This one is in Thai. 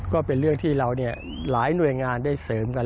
ก็เป็นเรื่องที่เราหลายหน่วยงานได้เสริมกัน